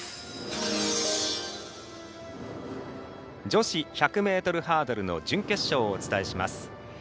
女子１００ｍハードルの準決勝をお伝えします。